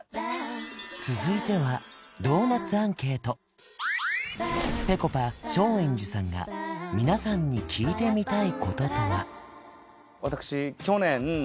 続いてはぺこぱ松陰寺さんが皆さんに聞いてみたいこととは？